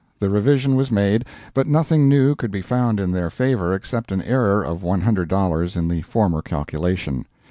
The revision was made, but nothing new could be found in their favor except an error of $100 in the former calculation.